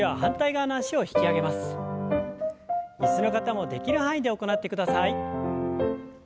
椅子の方もできる範囲で行ってください。